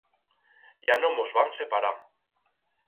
Ya no mos vam separar.